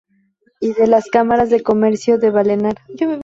Y de la Cámara de Comercio de Vallenar.